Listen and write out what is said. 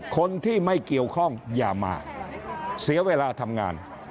คนที่ไม่เกี่ยวข้องอย่ามาเสียเวลาทำงาน